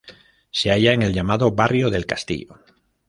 Se halla en el llamado "barrio del castillo".